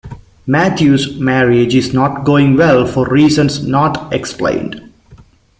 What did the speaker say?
Matthew's marriage is not going well for reasons not explained.